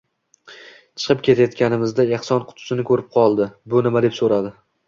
Chiqib ketayotganimizda ehson qutisini koʻrib qoldi, bu nima deb soʻradi.